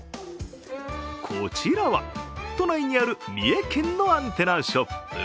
こちらは、都内にある三重県のアンテナショップ。